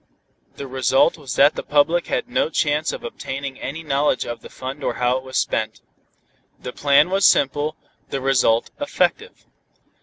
The result was that the public had no chance of obtaining any knowledge of the fund or how it was spent. The plan was simple, the result effective.